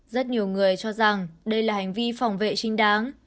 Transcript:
rất nhiều người cho rằng đây là hành vi phòng vệ chính đáng